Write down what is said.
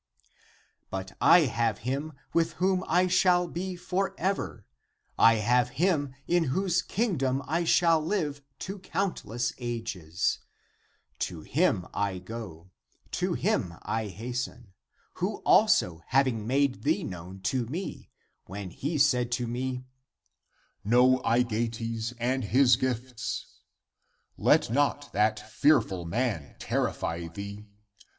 But I have him with whom I shall be for ever; I have him in whose Kingdom I shall live to countless ages. To him I 220 THE APOCRYPHAL ACTS go; to him I hasten, who also having made thee known to me, when he said to me :< Know, Aegeates and his gifts !> Let not that fearful man terrify thee